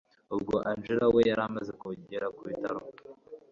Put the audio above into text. ubwo angella we yaramaze kugera kubitaro